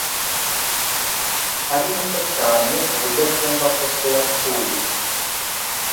Ari muto cyane kuburyo atumva ko se yapfuye.